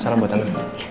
salam buat anda